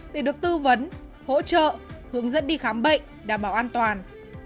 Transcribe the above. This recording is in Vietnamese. để được tư vấn hỗ trợ hướng dẫn đi khám bệnh đảm bảo an toàn